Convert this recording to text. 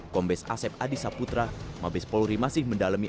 kombes asep adi saputra mabes polri masih mendalami